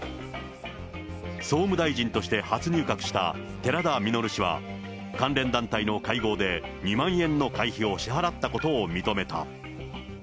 総務大臣として初入閣した寺田稔氏は、関連団体の会合で、２万円の会費を支払ったことを認めた。